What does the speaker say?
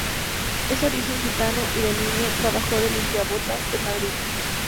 Es de origen gitano y, de niño, trabajó de limpiabotas en Madrid.